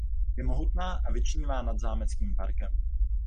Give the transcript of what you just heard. Je mohutná a vyčnívá nad zámeckým parkem.